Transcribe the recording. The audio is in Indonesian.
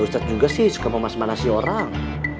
ustadz juga sih suka memas masin orang